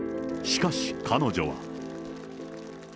しかし彼女は。